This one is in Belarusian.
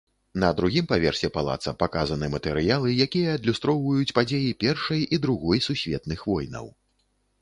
На другім паверсе палаца паказаны матэрыялы, якія адлюстроўваюць падзеі першай і другой сусветных войнаў.